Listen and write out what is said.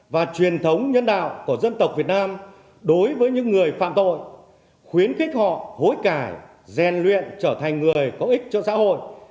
và truyền thống nhân đạo của dân tộc việt nam đối với những người phạm tội khuyến khích họ hối cải rèn luyện trở thành người có ích cho xã hội